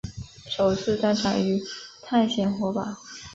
首次登场于探险活宝。